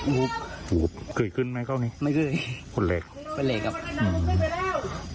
หุบหุบเคยขึ้นไหมเท่านี้ไม่เคยขนเล็กขนเล็กครับอืม